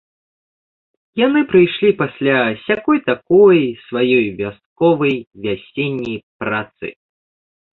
Яны прыйшлі пасля сякой-такой, сваёй вясковай, вясенняй працы.